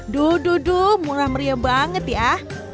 duh duh duh murah meriah banget ya